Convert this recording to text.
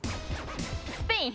スペイン。